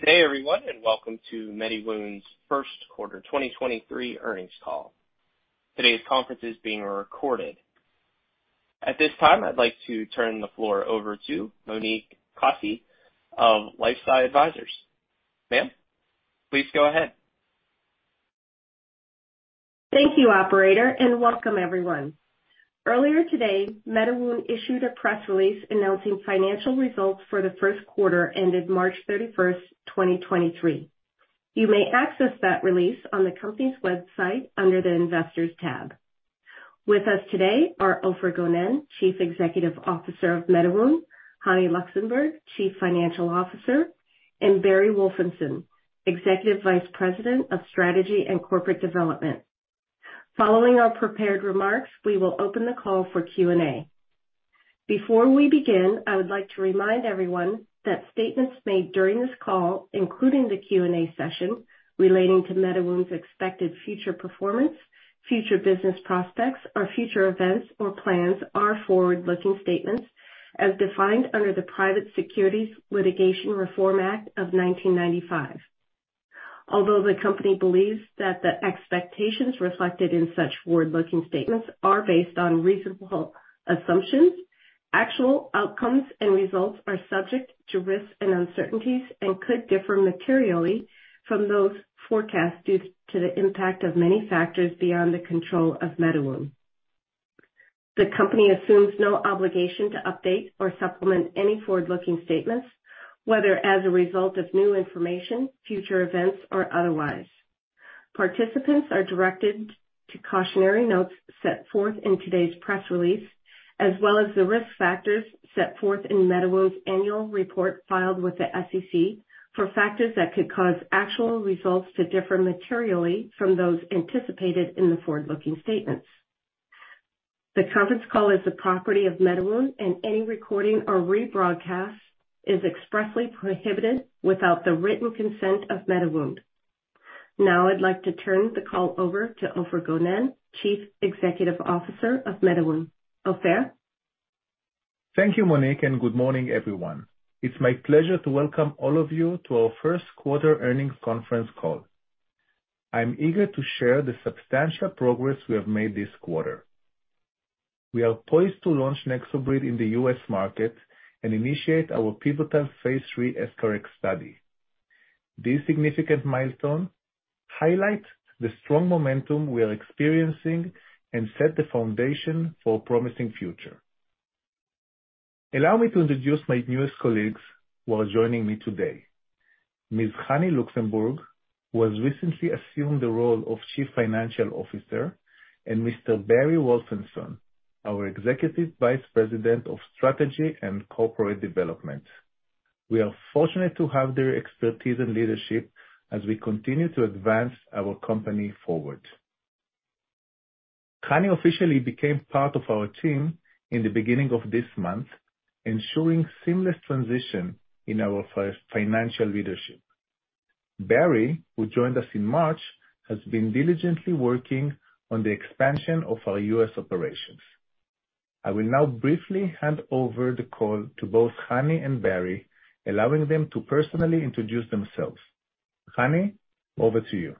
Good day, everyone, and welcome to MediWound's First Quarter 2023 Earnings Call. Today's conference is being recorded. At this time, I'd like to turn the floor over to Monique Kosse of LifeSci Advisors. Ma'am, please go ahead. Thank you, operator, and welcome everyone. Earlier today, MediWound issued a press release announcing financial results for the first quarter ended March 31st, 2023. You may access that release on the company's website under the Investors tab. With us today are Ofer Gonen, Chief Executive Officer of MediWound, Hani Luxenburg, Chief Financial Officer, and Barry Wolfenson, Executive Vice President of Strategy and Corporate Development. Following our prepared remarks, we will open the call for Q&A. Before we begin, I would like to remind everyone that statements made during this call, including the Q&A session, relating to MediWound's expected future performance, future business prospects, or future events or plans, are forward-looking statements as defined under the Private Securities Litigation Reform Act of 1995. Although the company believes that the expectations reflected in such forward-looking statements are based on reasonable assumptions, actual outcomes and results are subject to risks and uncertainties and could differ materially from those forecasts due to the impact of many factors beyond the control of MediWound. The company assumes no obligation to update or supplement any forward-looking statements, whether as a result of new information, future events, or otherwise. Participants are directed to cautionary notes set forth in today's press release, as well as the risk factors set forth in MediWound's annual report filed with the SEC for factors that could cause actual results to differ materially from those anticipated in the forward-looking statements. The conference call is the property of MediWound, and any recording or rebroadcast is expressly prohibited without the written consent of MediWound. Now, I'd like to turn the call over to Ofer Gonen, Chief Executive Officer of MediWound. Ofer? Thank you, Monique, and good morning, everyone. It's my pleasure to welcome all of you to our First Quarter Earnings Conference Call. I'm eager to share the substantial progress we have made this quarter. We are poised to launch NexoBrid in the U.S. market and initiate our pivotal phase III EscharEx study. These significant milestones highlight the strong momentum we are experiencing and set the foundation for a promising future. Allow me to introduce my newest colleagues who are joining me today. Ms. Hani Luxenburg, who has recently assumed the role of Chief Financial Officer, and Mr. Barry Wolfenson, our Executive Vice President of Strategy and Corporate Development. We are fortunate to have their expertise and leadership as we continue to advance our company forward. Hani officially became part of our team in the beginning of this month, ensuring seamless transition in our financial leadership. Barry, who joined us in March, has been diligently working on the expansion of our U.S. operations. I will now briefly hand over the call to both Hani and Barry, allowing them to personally introduce themselves. Hani, over to you.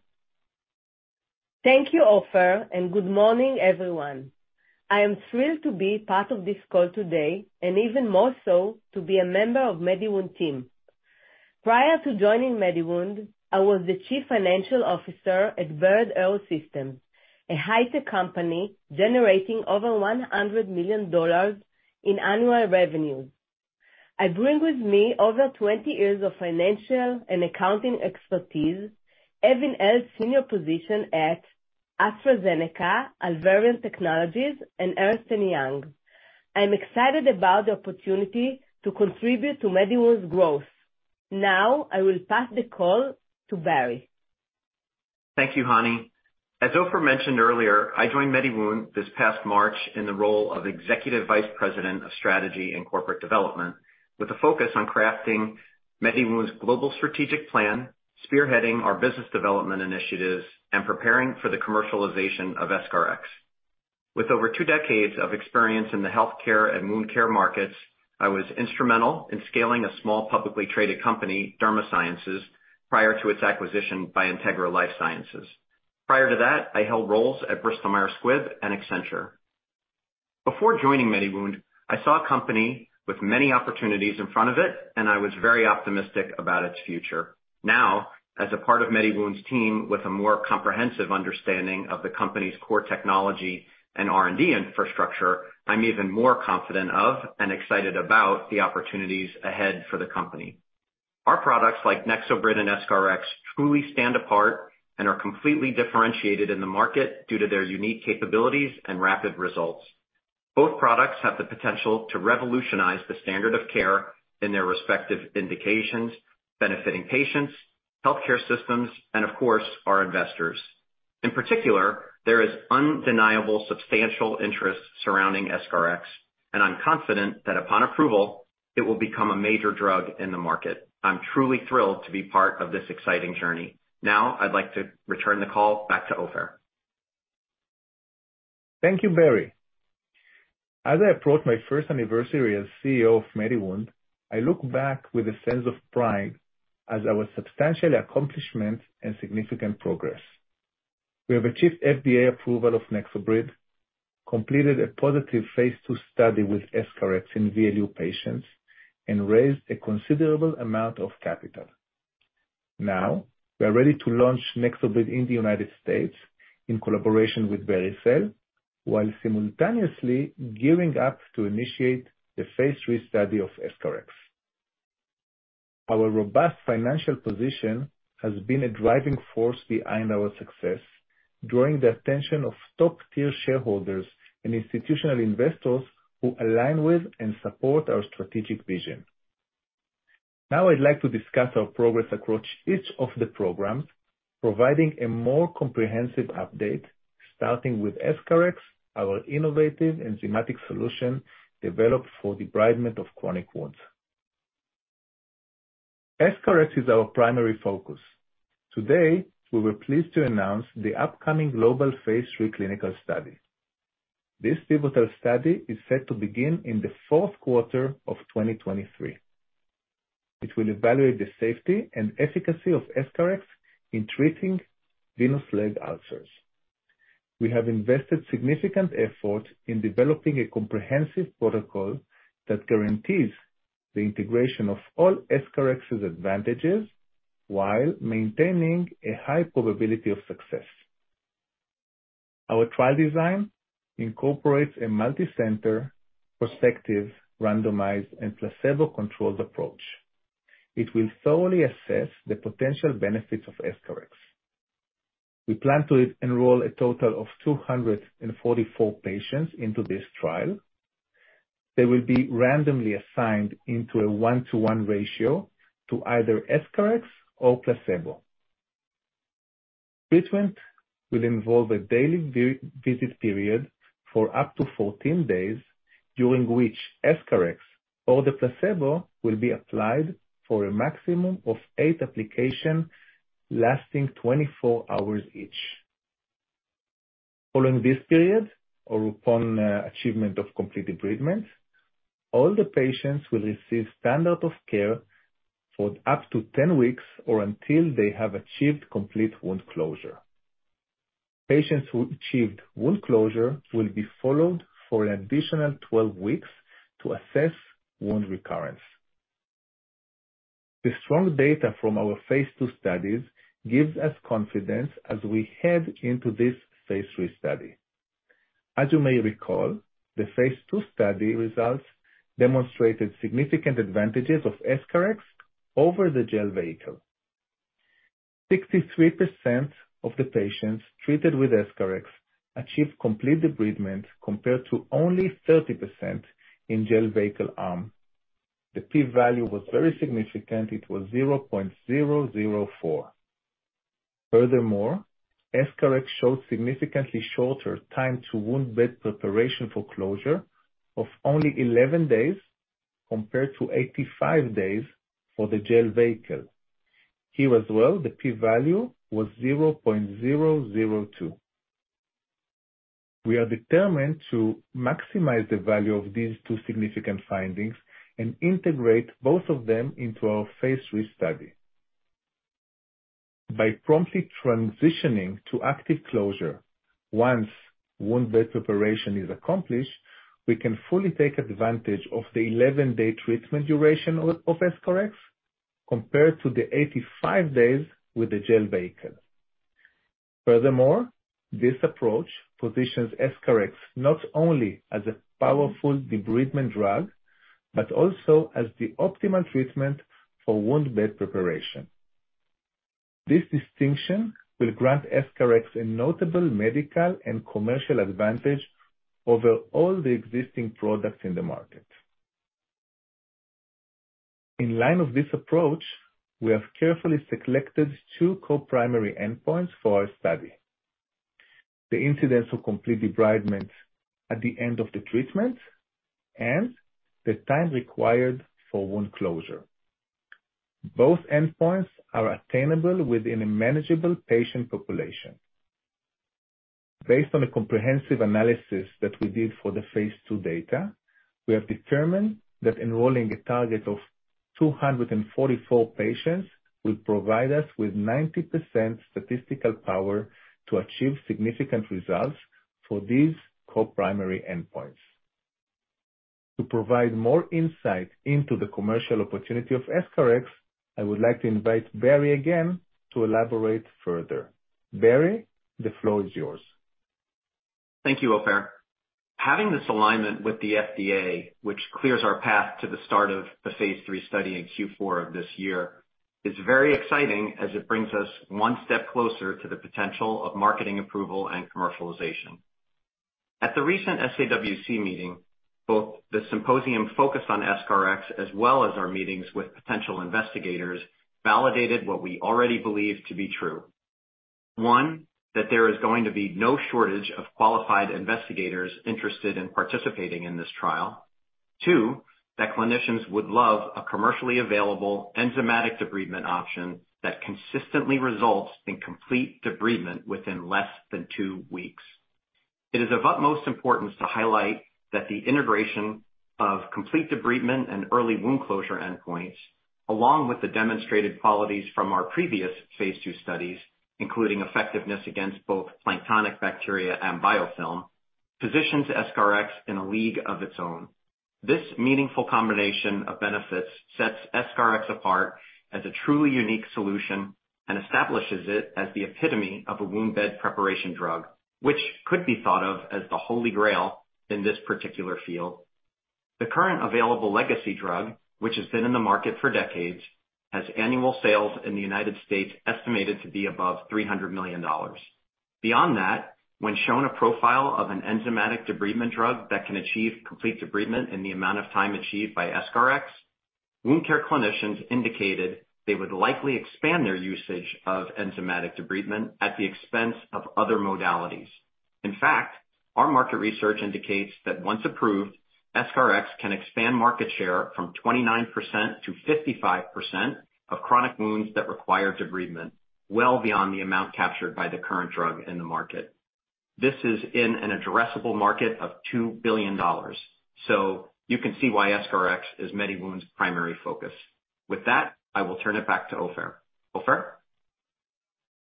Thank you, Ofer, and good morning, everyone. I am thrilled to be part of this call today, and even more so to be a member of MediWound team. Prior to joining MediWound, I was the Chief Financial Officer at BIRD Aerosystems, a high-tech company generating over $100 million in annual revenues. I bring with me over 20 years of financial and accounting expertise, having held senior position at AstraZeneca, Alvarion Technologies, and Ernst & Young. I'm excited about the opportunity to contribute to MediWound's growth. Now, I will pass the call to Barry. Thank you, Hani. As Ofer mentioned earlier, I joined MediWound this past March in the role of Executive Vice President of Strategy and Corporate Development, with a focus on crafting MediWound's global strategic plan, spearheading our business development initiatives, and preparing for the commercialization of EscharEx. With over two decades of experience in the healthcare and wound care markets, I was instrumental in scaling a small, publicly traded company, Derma Sciences, prior to its acquisition by Integra LifeSciences. Prior to that, I held roles at Bristol-Myers Squibb and Accenture. Before joining MediWound, I saw a company with many opportunities in front of it, and I was very optimistic about its future. Now, as a part of MediWound's team, with a more comprehensive understanding of the company's core technology and R&D infrastructure, I'm even more confident of and excited about the opportunities ahead for the company. Our products, like NexoBrid and EscharEx, truly stand apart and are completely differentiated in the market due to their unique capabilities and rapid results. Both products have the potential to revolutionize the standard of care in their respective indications, benefiting patients, healthcare systems, and, of course, our investors. In particular, there is undeniable substantial interest surrounding EscharEx, and I'm confident that upon approval, it will become a major drug in the market. I'm truly thrilled to be part of this exciting journey. I'd like to return the call back to Ofer. Thank you, Barry. As I approach my first anniversary as CEO of MediWound, I look back with a sense of pride as our substantial accomplishment and significant progress. We have achieved FDA approval of NexoBrid, completed a positive phase II study with EscharEx in VLU patients, and raised a considerable amount of capital. We are ready to launch NexoBrid in the United States in collaboration with Vericel, while simultaneously gearing up to initiate the phase III study of EscharEx. Our robust financial position has been a driving force behind our success, drawing the attention of top-tier shareholders and institutional investors who align with and support our strategic vision. I'd like to discuss our progress across each of the programs, providing a more comprehensive update, starting with EscharEx, our innovative enzymatic solution developed for debridement of chronic wounds. EscharEx is our primary focus. Today, we were pleased to announce the upcoming global phase III clinical study. This pivotal study is set to begin in the fourth quarter of 2023. It will evaluate the safety and efficacy of EscharEx in treating venous leg ulcers. We have invested significant effort in developing a comprehensive protocol that guarantees the integration of all EscharEx's advantages, while maintaining a high probability of success. Our trial design incorporates a multicenter, prospective, randomized, and placebo-controlled approach. It will thoroughly assess the potential benefits of EscharEx. We plan to enroll a total of 244 patients into this trial. They will be randomly assigned into a one-to-one ratio to either EscharEx or placebo. Treatment will involve a daily visit period for up to 14 days, during which EscharEx or the placebo will be applied for a maximum of eight application, lasting 24 hours each. Following this period, or upon achievement of completed treatment, all the patients will receive standard of care for up to 10 weeks or until they have achieved complete wound closure. Patients who achieved wound closure will be followed for an additional 12 weeks to assess wound recurrence. The strong data from our phase II studies gives us confidence as we head into this phase III study. As you may recall, the phase II study results demonstrated significant advantages of EscharEx over the gel vehicle. 63% of the patients treated with EscharEx achieved complete debridement, compared to only 30% in gel vehicle arm. The p-value was very significant. It was 0.004. Furthermore, EscharEx showed significantly shorter time to wound bed preparation for closure of only 11 days, compared to 85 days for the gel vehicle. Here as well, the p-value was 0.002. We are determined to maximize the value of these two significant findings and integrate both of them into our phase III study. By promptly transitioning to active closure, once wound bed preparation is accomplished, we can fully take advantage of the 11-day treatment duration of EscharEx, compared to the 85 days with the gel vehicle. This approach positions EscharEx not only as a powerful debridement drug, but also as the optimal treatment for wound bed preparation. This distinction will grant EscharEx a notable medical and commercial advantage over all the existing products in the market. In line of this approach, we have carefully selected two co-primary endpoints for our study. The incidence of complete debridement at the end of the treatment and the time required for wound closure. Both endpoints are attainable within a manageable patient population. Based on a comprehensive analysis that we did for the phase II data, we have determined that enrolling a target of 244 patients will provide us with 90% statistical power to achieve significant results for these co-primary endpoints. To provide more insight into the commercial opportunity of EscharEx, I would like to invite Barry again to elaborate further. Barry, the floor is yours. Thank you, Ofer. Having this alignment with the FDA, which clears our path to the start of the phase III study in Q4 of this year, is very exciting as it brings us one step closer to the potential of marketing approval and commercialization. At the recent SAWC meeting, both the symposium focused on EscharEx, as well as our meetings with potential investigators, validated what we already believed to be true. One, that there is going to be no shortage of qualified investigators interested in participating in this trial.... Two, that clinicians would love a commercially available enzymatic debridement option that consistently results in complete debridement within less than two weeks. It is of utmost importance to highlight that the integration of complete debridement and early wound closure endpoints, along with the demonstrated qualities from our previous phase II studies, including effectiveness against both planktonic bacteria and biofilm, positions EscharEx in a league of its own. This meaningful combination of benefits sets EscharEx apart as a truly unique solution, and establishes it as the epitome of a wound bed preparation drug, which could be thought of as the Holy Grail in this particular field. The current available legacy drug, which has been in the market for decades, has annual sales in the United States, estimated to be above $300 million. Beyond that, when shown a profile of an enzymatic debridement drug that can achieve complete debridement in the amount of time achieved by EscharEx, wound care clinicians indicated they would likely expand their usage of enzymatic debridement at the expense of other modalities. Our market research indicates that once approved, EscharEx can expand market share from 29% to 55% of chronic wounds that require debridement, well beyond the amount captured by the current drug in the market. This is in an addressable market of $2 billion, you can see why EscharEx is MediWound's primary focus. I will turn it back to Ofer. Ofer?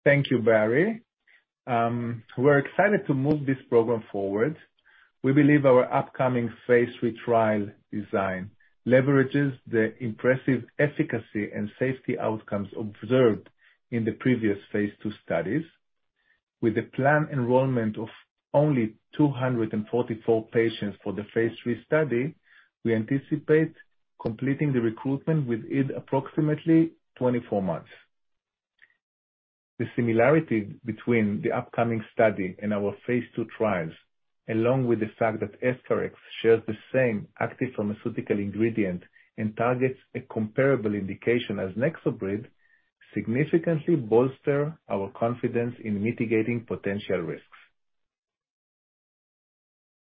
Thank you, Barry. We're excited to move this program forward. We believe our upcoming phase III trial design leverages the impressive efficacy and safety outcomes observed in the previous phase II studies. With a planned enrollment of only 244 patients for the phase III study, we anticipate completing the recruitment within approximately 24 months. The similarity between the upcoming study and our phase II trials, along with the fact that EscharEx shares the same active pharmaceutical ingredient and targets a comparable indication as NexoBrid, significantly bolster our confidence in mitigating potential risks.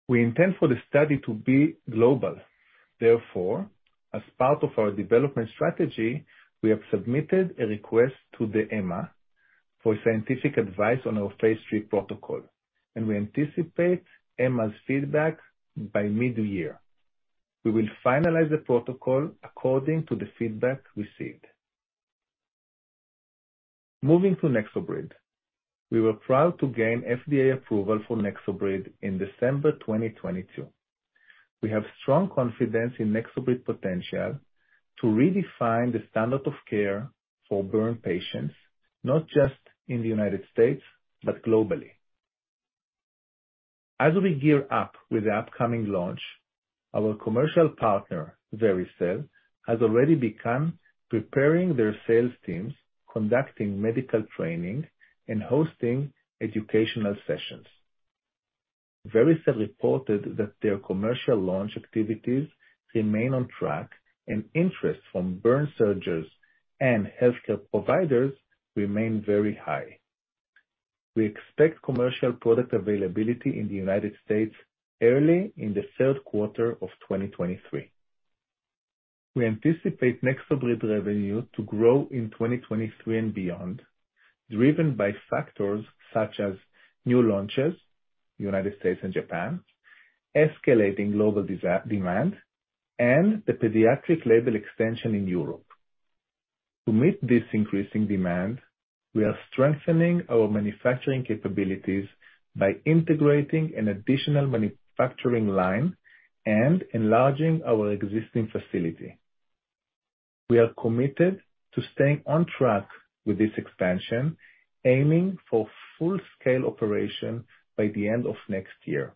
We intend for the study to be global. Therefore, as part of our development strategy, we have submitted a request to the EMA for scientific advice on our phase III protocol, and we anticipate EMA's feedback by mid-year. We will finalize the protocol according to the feedback received. Moving to NexoBrid. We were proud to gain FDA approval for NexoBrid in December 2022. We have strong confidence in NexoBrid potential to redefine the standard of care for burn patients, not just in the United States, but globally. As we gear up with the upcoming launch, our commercial partner, Vericel, has already begun preparing their sales teams, conducting medical training and hosting educational sessions. Vericel reported that their commercial launch activities remain on track, interest from burn surgeons and healthcare providers remain very high. We expect commercial product availability in the United States early in the third quarter of 2023. We anticipate NexoBrid revenue to grow in 2023 and beyond, driven by factors such as new launches, United States and Japan, escalating global demand, the pediatric label extension in Europe. To meet this increasing demand, we are strengthening our manufacturing capabilities by integrating an additional manufacturing line and enlarging our existing facility. We are committed to staying on track with this expansion, aiming for full scale operation by the end of next year.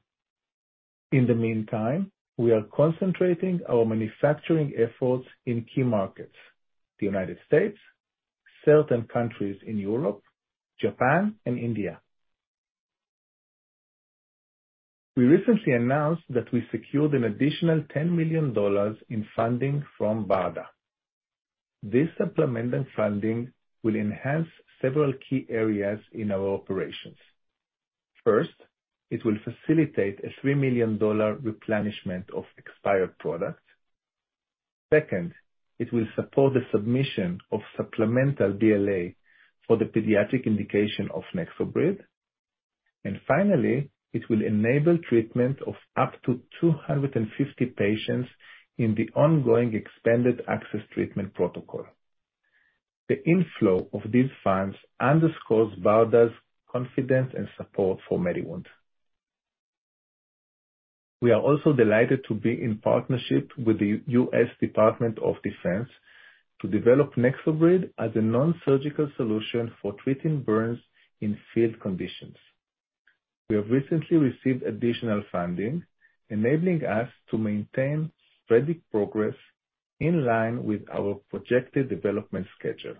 In the meantime, we are concentrating our manufacturing efforts in key markets: the United States, certain countries in Europe, Japan and India. We recently announced that we secured an additional $10 million in funding from BARDA. This supplemental funding will enhance several key areas in our operations. First, it will facilitate a $3 million replenishment of expired products. Second, it will support the submission of supplemental BLA for the pediatric indication of NexoBrid. Finally, it will enable treatment of up to 250 patients in the ongoing expanded access treatment protocol. The inflow of these funds underscores BARDA's confidence and support for MediWound. We are also delighted to be in partnership with the U.S. Department of Defense to develop NexoBrid as a non-surgical solution for treating burns in field conditions. We have recently received additional funding, enabling us to maintain steady progress in line with our projected development schedule.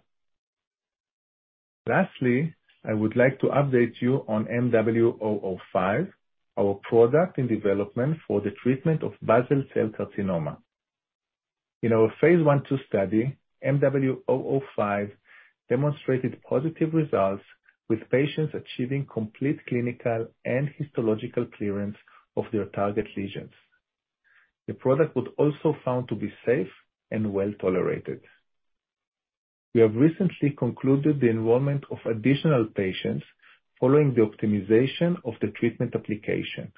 Lastly, I would like to update you on MW005, our product in development for the treatment of basal cell carcinoma. In our phase 1/2 study, MW005 demonstrated positive results, with patients achieving complete clinical and histological clearance of their target lesions. The product was also found to be safe and well-tolerated. We have recently concluded the enrollment of additional patients following the optimization of the treatment application.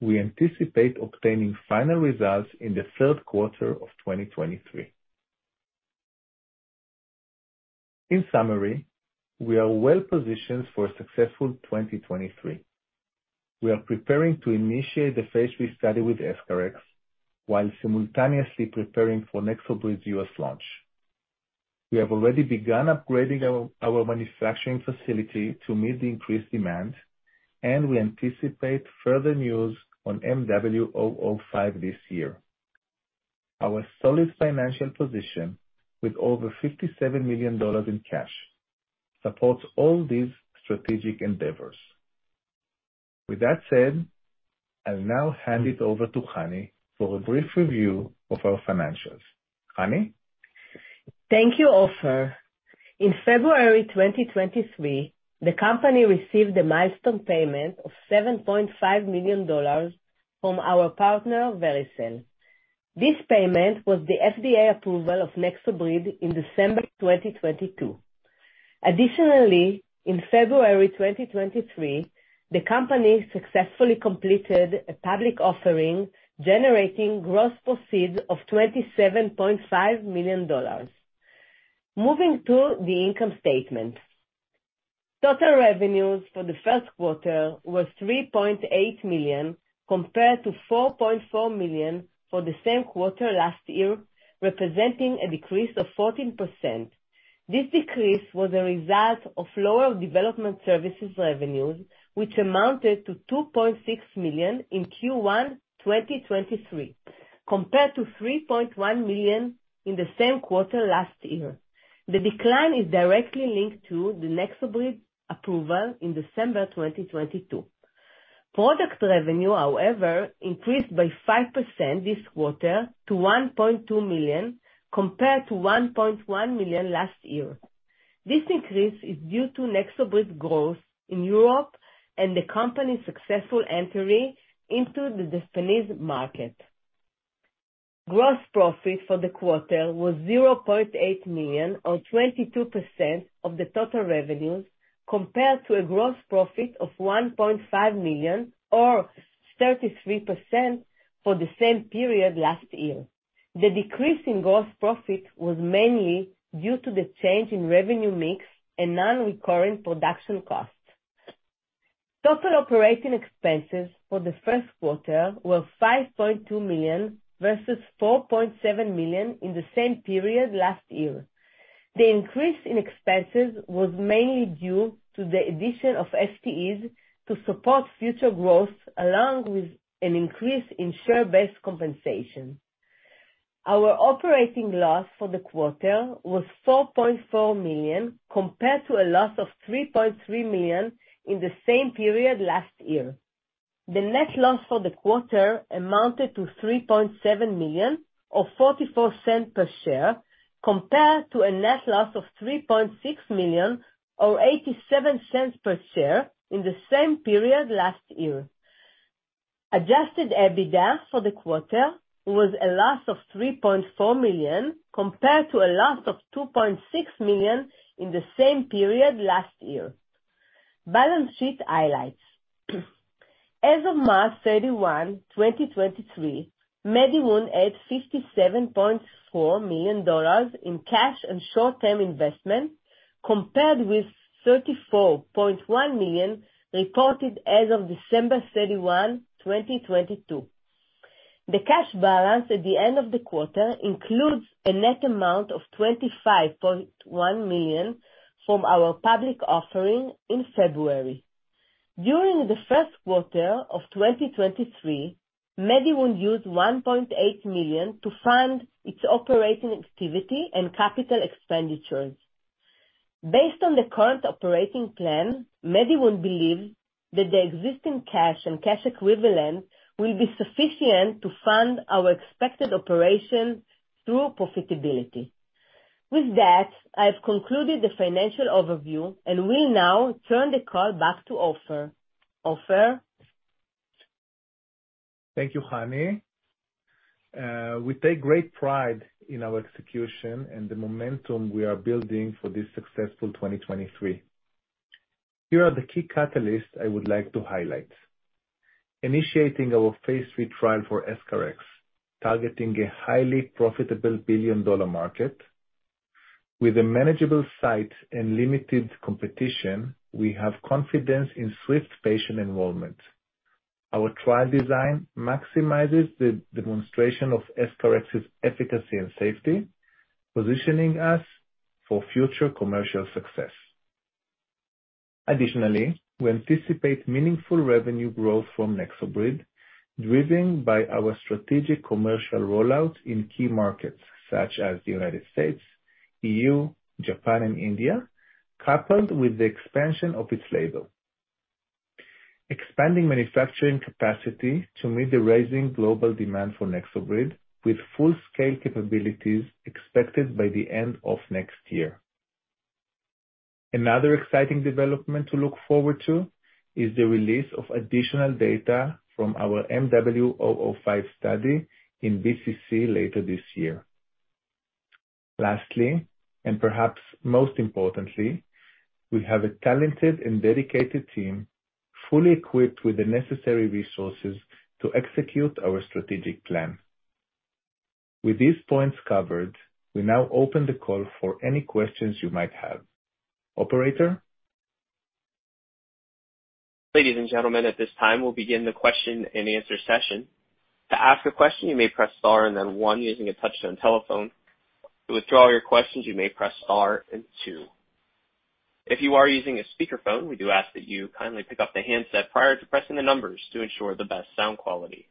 We anticipate obtaining final results in the third quarter of 2023. In summary, we are well-positioned for a successful 2023. We are preparing to initiate the phase III study with EscharEx, while simultaneously preparing for NexoBrid's US launch. We have already begun upgrading our manufacturing facility to meet the increased demand. We anticipate further news on MW005 this year. Our solid financial position, with over $57 million in cash, supports all these strategic endeavors. With that said, I'll now hand it over to Hani for a brief review of our financials. Hani? Thank you, Ofer. In February 2023, the company received a milestone payment of $7.5 million from our partner, Vericel. This payment was the FDA approval of NexoBrid in December 2022. In February 2023, the company successfully completed a public offering, generating gross proceeds of $27.5 million. Moving to the income statement. Total revenues for the first quarter was $3.8 million, compared to $4.4 million for the same quarter last year, representing a decrease of 14%. This decrease was a result of lower development services revenues, which amounted to $2.6 million in Q1 2023, compared to $3.1 million in the same quarter last year. The decline is directly linked to the NexoBrid approval in December 2022. Product revenue, however, increased by 5% this quarter to $1.2 million, compared to $1.1 million last year. This increase is due to NexoBrid growth in Europe and the company's successful entry into the Japanese market. Gross profit for the quarter was $0.8 million, or 22% of the total revenues, compared to a gross profit of $1.5 million, or 33%, for the same period last year. The decrease in gross profit was mainly due to the change in revenue mix and non-recurring production costs. Total operating expenses for the first quarter were $5.2 million, versus $4.7 million in the same period last year. The increase in expenses was mainly due to the addition of FTEs to support future growth, along with an increase in share-based compensation. Our operating loss for the quarter was $4.4 million, compared to a loss of $3.3 million in the same period last year. The net loss for the quarter amounted to $3.7 million, or $0.44 per share, compared to a net loss of $3.6 million or $0.87 per share in the same period last year. Adjusted EBITDA for the quarter was a loss of $3.4 million, compared to a loss of $2.6 million in the same period last year. Balance sheet highlights. As of March 31, 2023, MediWound had $57.4 million in cash and short-term investment, compared with $34.1 million reported as of December 31, 2022. The cash balance at the end of the quarter includes a net amount of $25.1 million from our public offering in February. During the first quarter of 2023, MediWound used $1.8 million to fund its operating activity and capital expenditures. Based on the current operating plan, MediWound believes that the existing cash and cash equivalent will be sufficient to fund our expected operation through profitability. With that, I've concluded the financial overview and will now turn the call back to Ofer. Ofer? Thank you, Hani. We take great pride in our execution and the momentum we are building for this successful 2023. Here are the key catalysts I would like to highlight: Initiating our phase III trial for EscharEx, targeting a highly profitable billion-dollar market. With a manageable site and limited competition, we have confidence in swift patient enrollment. Our trial design maximizes the demonstration of EscharEx's efficacy and safety, positioning us for future commercial success. Additionally, we anticipate meaningful revenue growth from NexoBrid, driven by our strategic commercial rollout in key markets such as the United States, EU, Japan, and India, coupled with the expansion of its label. Expanding manufacturing capacity to meet the rising global demand for NexoBrid, with full-scale capabilities expected by the end of next year. Another exciting development to look forward to is the release of additional data from our MW005 study in BCC later this year. Lastly, perhaps most importantly, we have a talented and dedicated team, fully equipped with the necessary resources to execute our strategic plan. With these points covered, we now open the call for any questions you might have. Operator? Ladies and gentlemen, at this time, we will begin the question and answer session. To ask a question, you may press star and then one using a touch-tone telephone. To withdraw your questions, you may press star and two. If you are using a speakerphone, we do ask that you kindly pick up the handset prior to pressing the numbers to ensure the best sound quality.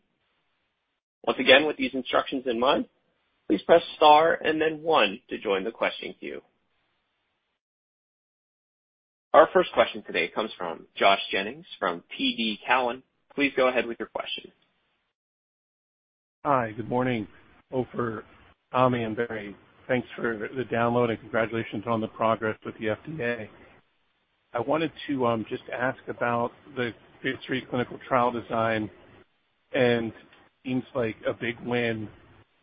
Once again, with these instructions in mind, please press star and then one to join the question queue. Our first question today comes from Josh Jennings from TD Cowen. Please go ahead with your question. Hi, good morning, Ofer, Hani, and Barry. Thanks for the download, and congratulations on the progress with the FDA. I wanted to just ask about the phase III clinical trial design, and seems like a big win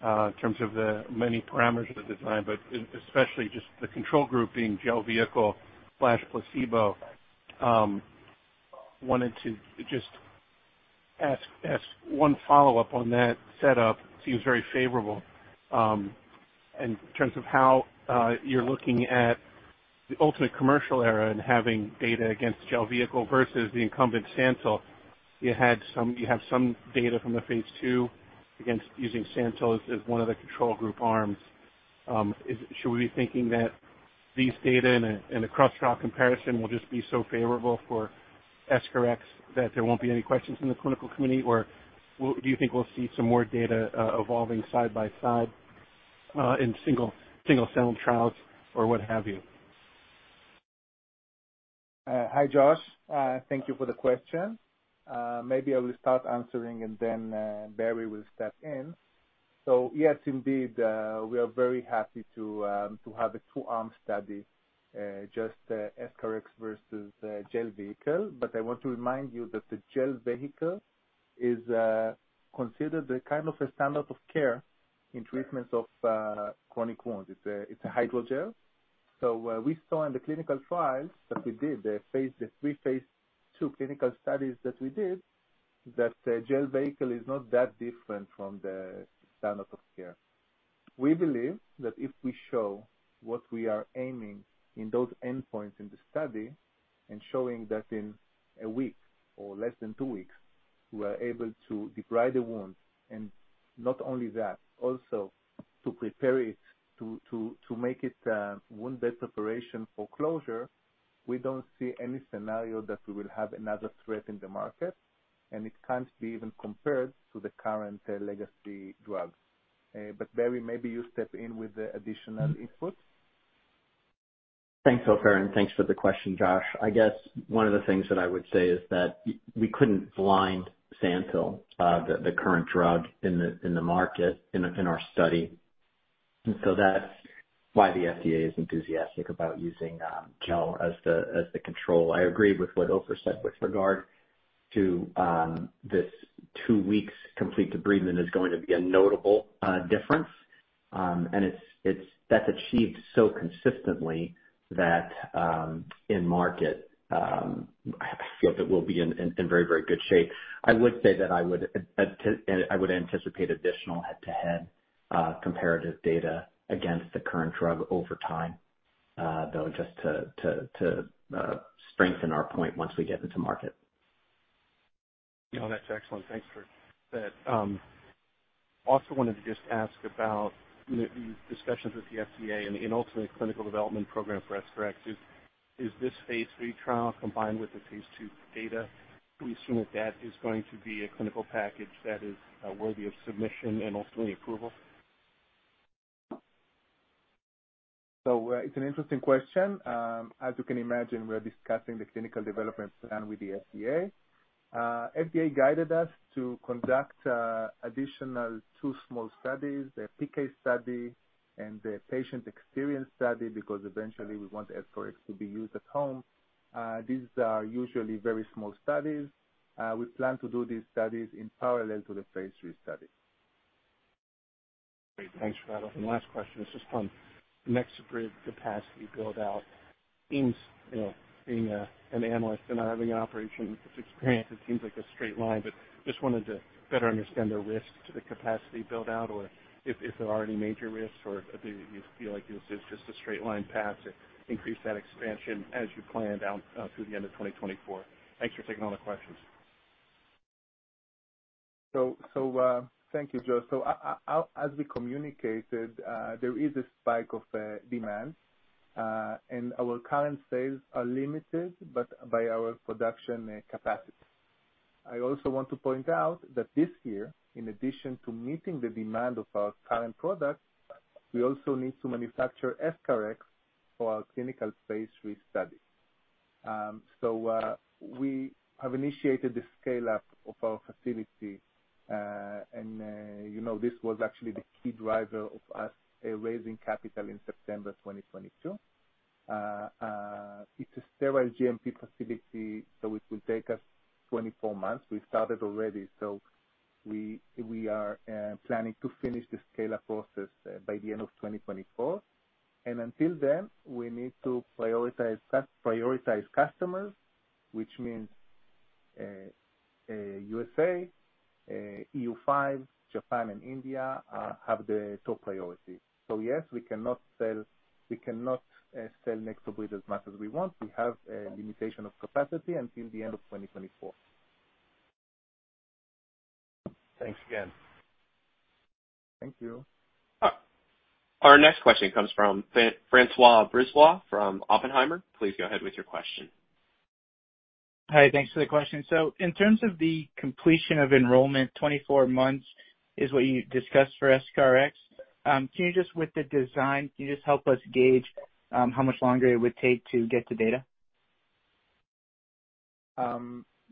in terms of the many parameters of the design, but especially just the control group being gel vehicle/placebo. Wanted to just ask one follow-up on that setup. Seems very favorable in terms of how you're looking at the ultimate commercial era and having data against gel vehicle versus the incumbent SANTYL. You have some data from the phase II against using SANTYL as one of the control group arms. Should we be thinking that these data in a cross-trial comparison, will just be so favorable for EscharEx that there won't be any questions from the clinical community? Do you think we'll see some more data, evolving side by side, in single-cell trials or what have you? Hi, Josh. Thank you for the question. Maybe I will start answering and then Barry will step in. Yes, indeed, we are very happy to have a two arm study, just EscharEx versus gel vehicle. I want to remind you that the gel vehicle is considered the kind of a standard of care in treatments of chronic wounds. It's a hydrogel. We saw in the clinical trials that we did, the three phase II clinical studies that we did, that the gel vehicle is not that different from the standard of care. We believe that if we show what we are aiming in those endpoints in the study, and showing that in a week or less than two weeks, we are able to debride the wound, and not only that, also to prepare it to make it wound bed preparation for closure, we don't see any scenario that we will have another threat in the market, and it can't be even compared to the current legacy drugs. Barry, maybe you step in with the additional input. Thanks, Ofer, and thanks for the question, Josh. I guess one of the things that I would say is that we couldn't blind SANTYL, the current drug in the market, in our study. That's why the FDA is enthusiastic about using gel as the control. I agree with what Ofer said with regard to this two weeks complete debridement is going to be a notable difference. That's achieved so consistently that in market, I feel that we'll be in very, very good shape. I would say that I would anticipate additional head-to-head comparative data against the current drug over time, though, just to strengthen our point once we get into market. Yeah, that's excellent. Thanks for that. Also wanted to just ask about the discussions with the FDA and in ultimate clinical development program for EscharEx. Is this phase III trial combined with the phase II data? Do we assume that that is going to be a clinical package that is worthy of submission and ultimately approval? It's an interesting question. As you can imagine, we're discussing the clinical development plan with the FDA. FDA guided us to conduct two additional small studies, a PK study and a patient experience study, because eventually we want EscharEx to be used at home. These are usually very small studies. We plan to do these studies in parallel to the phase III study. Great. Thanks for that. Last question is just on NexoBrid capacity build-out. Seems, you know, being an analyst and not having an operations experience, it seems like a straight line. Just wanted to better understand the risks to the capacity build-out, or if there are any major risks, or do you feel like this is just a straight line path to increase that expansion as you plan out through the end of 2024? Thanks for taking all the questions. Thank you, Josh. As we communicated, there is a spike of demand, and our current sales are limited, but by our production capacity. I also want to point out that this year, in addition to meeting the demand of our current. We also need to manufacture EscharEx for our clinical phase III study. We have initiated the scale-up of our facility, and, you know, this was actually the key driver of us raising capital in September 2022. It's a sterile GMP facility, it will take us 24 months. We started already, we are planning to finish the scale-up process by the end of 2024, and until then, we need to prioritize customers, which means USA, EU 5, Japan and India have the top priority. Yes, we cannot sell NexoBrid as much as we want. We have a limitation of capacity until the end of 2024. Thanks again. Thank you. Our next question comes from Francois Brisebois from Oppenheimer. Please go ahead with your question. Hi, thanks for the question. In terms of the completion of enrollment, 24 months is what you discussed for EscharEx. Can you just with the design, can you just help us gauge how much longer it would take to get the data?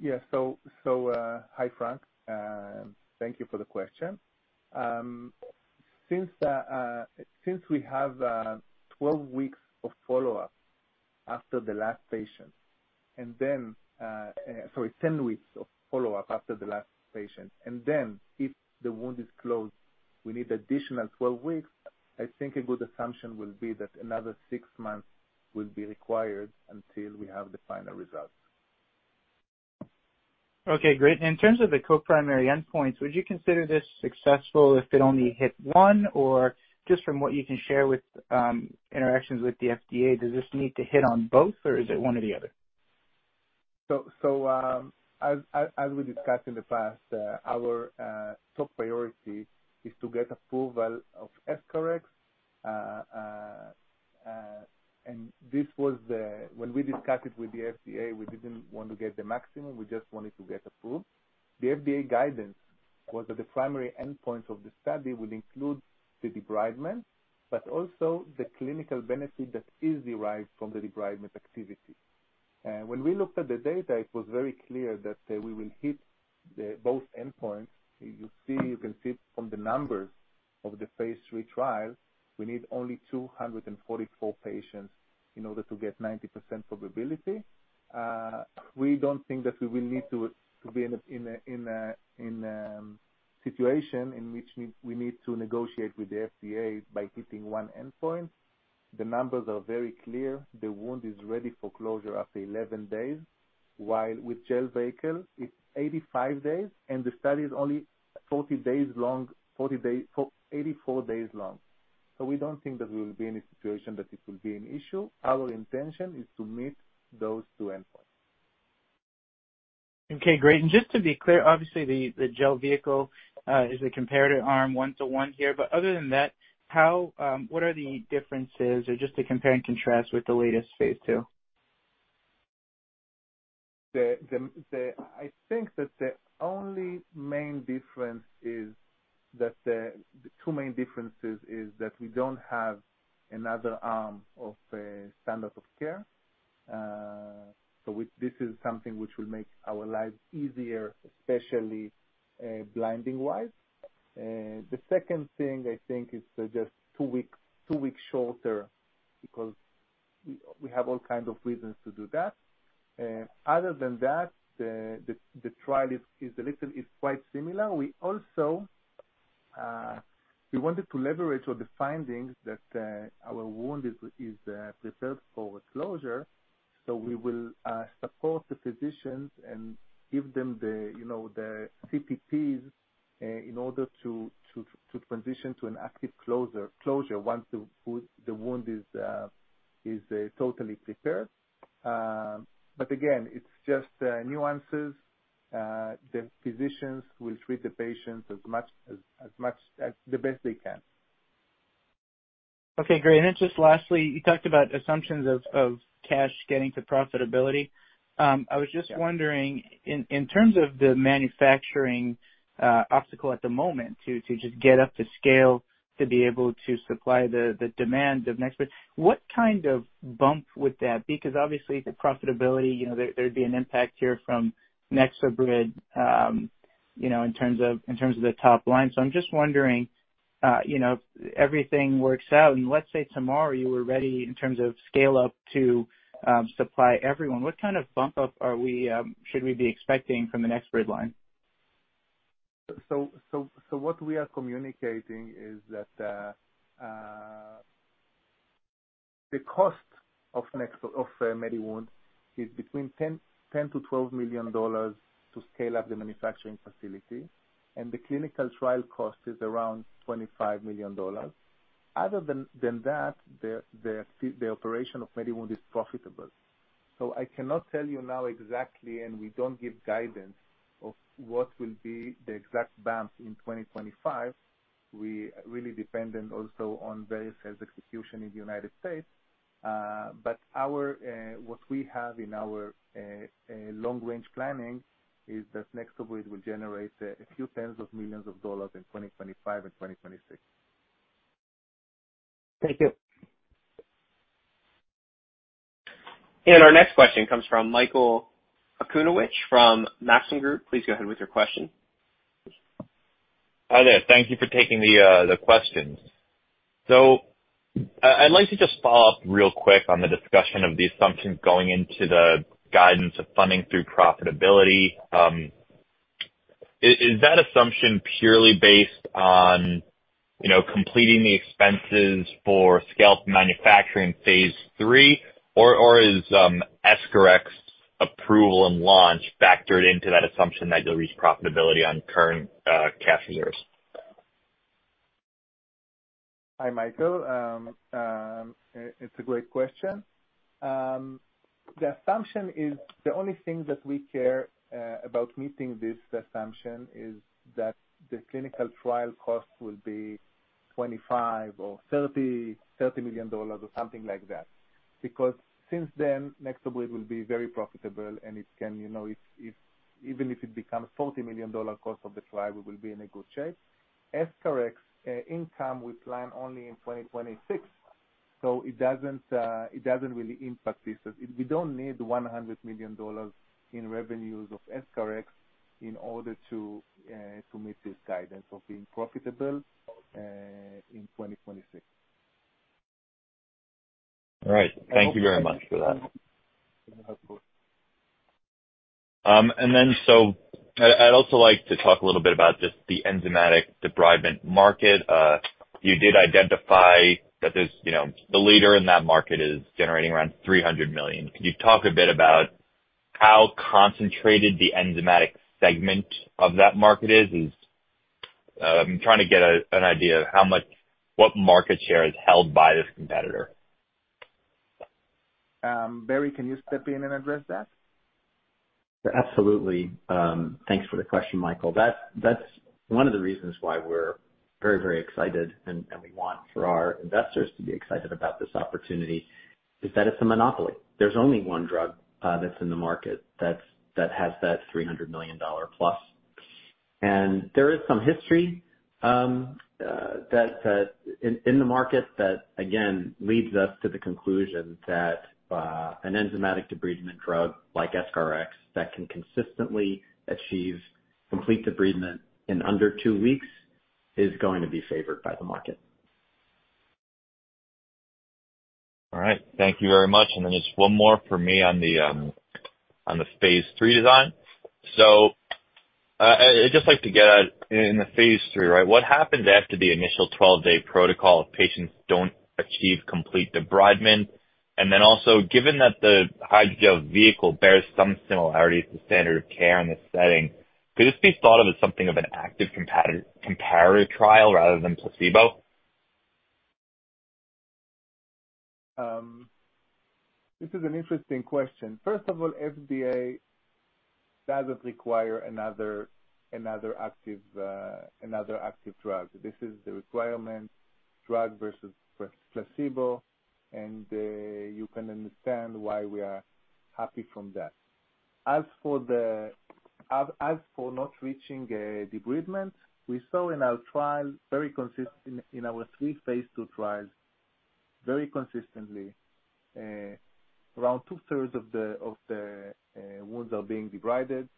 Yeah. Hi, Frank, thank you for the question. Since we have 12 weeks of follow-up after the last patient, and then sorry, 10 weeks of follow-up after the last patient. If the wound is closed, we need additional 12 weeks. I think a good assumption will be that another six months will be required until we have the final results. Okay, great. In terms of the co-primary endpoints, would you consider this successful if it only hit one, or just from what you can share with interactions with the FDA, does this need to hit on both, or is it one or the other? As we discussed in the past, our top priority is to get approval of EscharEx. This was the... When we discussed it with the FDA, we didn't want to get the maximum, we just wanted to get approved. The FDA guidance was that the primary endpoint of the study would include the debridement, but also the clinical benefit that is derived from the debridement activity. When we looked at the data, it was very clear that we will hit both endpoints. You can see from the numbers of the phase III trial, we need only 244 patients in order to get 90% probability. We don't think that we will need to be in a situation in which we need to negotiate with the FDA by hitting one endpoint. The numbers are very clear. The wound is ready for closure after 11 days, while with gel vehicle it's 85 days, and the study is only 40 days long, for 84 days long. We don't think that we will be in a situation that it will be an issue. Our intention is to meet those two endpoints. Okay, great. Just to be clear, obviously, the gel vehicle is the comparative arm, one to one here. Other than that, what are the differences or just to compare and contrast with the latest phase II? I think that the only main difference is that two main differences is that we don't have another arm of a standard of care. This is something which will make our lives easier, especially blinding-wise. The second thing I think, is just two weeks shorter, because we have all kinds of reasons to do that. Other than that, the trial is a little, is quite similar. We also, we wanted to leverage on the findings that our wound is prepared for closure. We will support the physicians and give them the, you know, the CPTs in order to transition to an active closure once the wound is totally prepared. Again, it's just nuances. The physicians will treat the patients as much as the best they can. Okay, great. Just lastly, you talked about assumptions of cash getting to profitability. I was just. Yeah. wondering, in terms of the manufacturing obstacle at the moment, to just get up to scale, to be able to supply the demand of NexoBrid, what kind of bump would that. Obviously, the profitability, you know, there'd be an impact here from NexoBrid, you know, in terms of the top line. I'm just wondering, you know, everything works out, and let's say tomorrow you were ready in terms of scale-up to supply everyone. What kind of bump-up are we, should we be expecting from the NexoBrid line? What we are communicating is that the cost of NexoBrid of MediWound is between $10 million-$12 million to scale up the manufacturing facility, and the clinical trial cost is around $25 million. Other than that, the operation of MediWound is profitable. I cannot tell you now exactly, and we don't give guidance of what will be the exact bump in 2025. We really dependent also on various sales execution in the United States. What we have in our long-range planning is that NexoBrid will generate a few tens of millions of dollars in 2025 and 2026. Thank you. Our next question comes from Michael Okunewitch from Maxim Group. Please go ahead with your question. Hi there. Thank you for taking the questions. I'd like to just follow up real quick on the discussion of the assumptions going into the guidance of funding through profitability. Is that assumption purely based on, you know, completing the expenses for scale manufacturing phase III, or is EscharEx's approval and launch factored into that assumption that you'll reach profitability on current cash years? Hi, Michael. It's a great question. The assumption is, the only thing that we care about meeting this assumption is that the clinical trial cost will be $25 million or $30 million or something like that. Since then, NexoBrid will be very profitable and it can, you know, if even if it becomes $40 million cost of the trial, we will be in a good shape. EscharEx income, we plan only in 2026, so it doesn't really impact this. We don't need $100 million in revenues of EscharEx in order to meet this guidance of being profitable in 2026. All right. Thank you very much for that. You're welcome. I'd also like to talk a little bit about just the enzymatic debridement market. You did identify that there's, you know, the leader in that market is generating around $300 million. Can you talk a bit about how concentrated the enzymatic segment of that market is? Is. I'm trying to get an idea of what market share is held by this competitor. Barry, can you step in and address that? Absolutely. Thanks for the question, Michael. That's one of the reasons why we're very, very excited and we want for our investors to be excited about this opportunity, is that it's a monopoly. There's only one drug that's in the market that has that $300 million plus. There is some history that in the market, that again, leads us to the conclusion that an enzymatic debridement drug like EscharEx, that can consistently achieve complete debridement in under 2 weeks, is going to be favored by the market. All right. Thank you very much. Just one more for me on the phase III design. In the phase III, right, what happens after the initial 12-day protocol if patients don't achieve complete debridement? Also, given that the hydrogel vehicle bears some similarities to standard of care in this setting, could this be thought of as something of an active comparator trial rather than placebo? This is an interesting question. First of all, FDA doesn't require another active drug. This is the requirement, drug versus placebo, and you can understand why we are happy from that. As for not reaching debridement, we saw in our trial in our three phase III trials, very consistently, around two-thirds of the wounds are being debrided.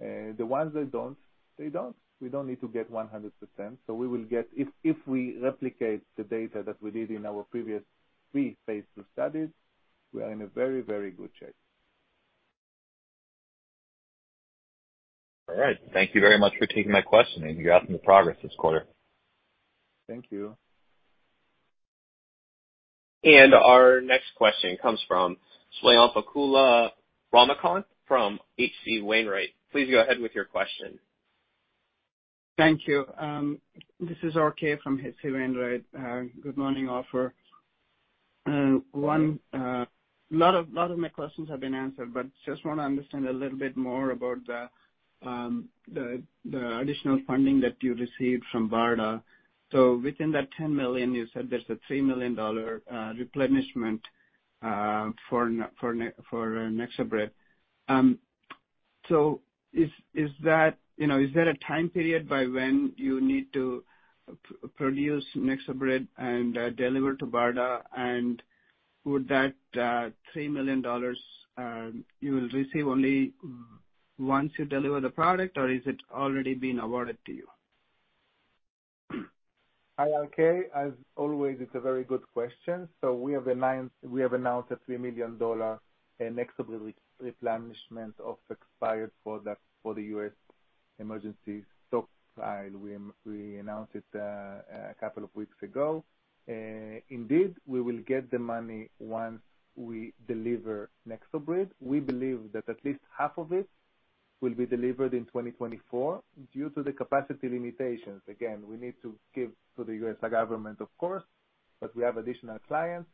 The ones that don't, they don't. We don't need to get 100%. We will get... If we replicate the data that we did in our previous three phase II studies, we are in a very, very good shape. All right. Thank you very much for taking my question. You're asking the progress this quarter. Thank you. Our next question comes from Swayampakula Ramakanth from H.C. Wainwright. Please go ahead with your question. Thank you. This is RK from H.C. Wainwright. Good morning, Ofer. One, lot of, lot of my questions have been answered, but just want to understand a little bit more about the additional funding that you received from BARDA. Within that $10 million, you said there's a $3 million replenishment for NexoBrid. Is that, you know, is there a time period by when you need to produce NexoBrid and deliver to BARDA? Would that $3 million, you will receive only once you deliver the product, or is it already been awarded to you? Hi, RK. As always, it's a very good question. We have announced a $3 million NexoBrid replenishment of expired product for the U.S. emergency stock. We announced it a couple of weeks ago. Indeed, we will get the money once we deliver NexoBrid. We believe that at least half of it will be delivered in 2024 due to the capacity limitations. Again, we need to give to the U.S. government, of course, but we have additional clients.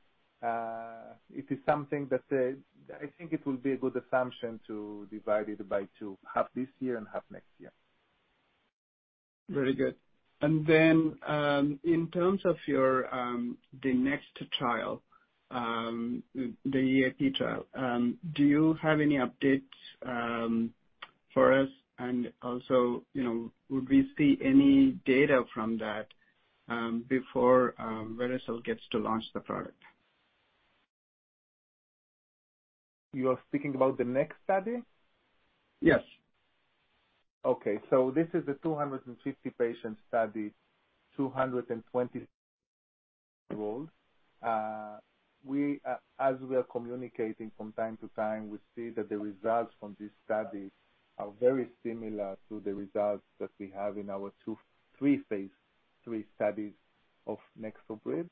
It is something that I think it will be a good assumption to divide it by two, half this year and half next year. Very good. Then, in terms of your the next trial, the EAP trial, do you have any updates for us? Also, you know, would we see any data from that before Vericel gets to launch the product? You are speaking about the next study? Yes. Okay. This is a 250 patient study, 220 roles. We, as we are communicating from time to time, we see that the results from this study are very similar to the results that we have in our three phase III studies of NexoBrid.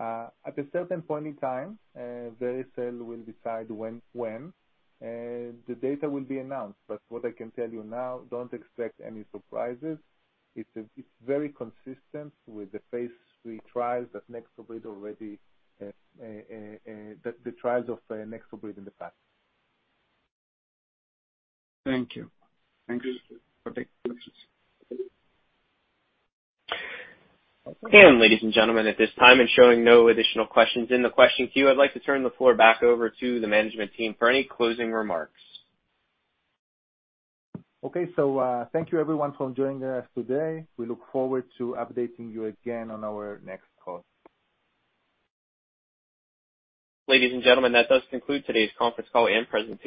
At a certain point in time, Vericel will decide when, the data will be announced. What I can tell you now, don't expect any surprises. It's very consistent with the phase III trials that NexoBrid already, the trials of NexoBrid in the past. Thank you. Thank you for taking the questions. Ladies and gentlemen, at this time, and showing no additional questions in the question queue, I'd like to turn the floor back over to the management team for any closing remarks. Okay. Thank you everyone for joining us today. We look forward to updating you again on our next call. Ladies and gentlemen, that does conclude today's conference call and presentation.